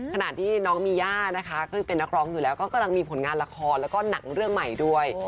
ขณะที่น้องมีย่านะคะขึ้นเป็นนักร้องอยู่แล้วก็กำลังมีผลงานละครแล้วก็หนังเรื่องใหม่ด้วย